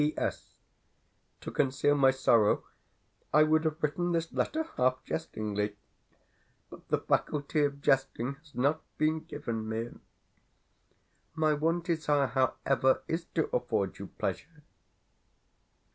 P.S. To conceal my sorrow I would have written this letter half jestingly; but, the faculty of jesting has not been given me. My one desire, however, is to afford you pleasure.